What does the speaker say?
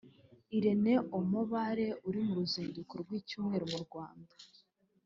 Iren Omo-Bare uri mu ruzinduko rw’icyumweru mu Rwanda